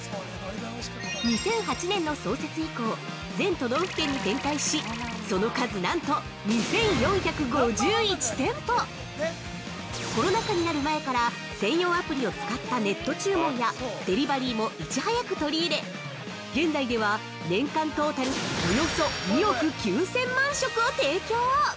２００８年の創設以降全都道府県に展開しその数、なんと２４５１店舗コロナ禍になる前から専用アプリを使ったネット注文やデリバリーもいち早く取り入れ、現在では、年間トータルおよそ２億９０００万食を提供！